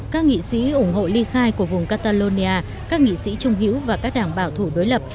các nghị sĩ ủng hộ ly khai của vùng catalonia các nghị sĩ trung hữu và các đảng bảo thủ đối lập